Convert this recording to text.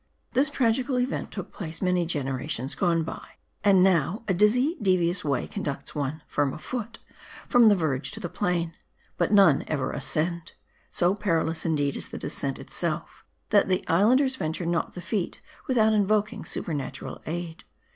This tragical event took place many generations gone by, and now a dizzy, devious way conducts one, firm of foot, from the verge to the plain. But none ever ascended. So perilous, indeed, is the descent itself, that the islanders ven ture not the feat, without invoking supernatural aid.